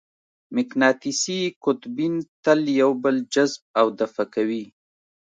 مقناطیسي قطبین تل یو بل جذب او دفع کوي.